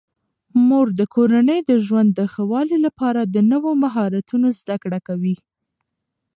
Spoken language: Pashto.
مور د کورني ژوند د ښه والي لپاره د نویو مهارتونو زده کړه کوي.